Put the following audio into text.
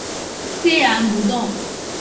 岿然不动